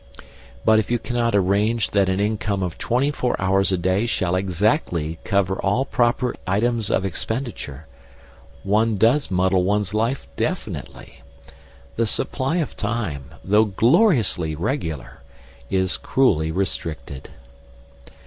But if one cannot arrange that an income of twenty four hours a day shall exactly cover all proper items of expenditure, one does muddle one's life definitely. The supply of time, though gloriously regular, is cruelly restricted.